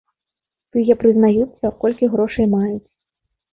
Тыя прызнаюцца, колькі грошай маюць.